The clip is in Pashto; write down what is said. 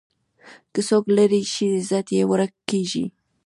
که څوک لرې شي، عزت یې ورک کېږي.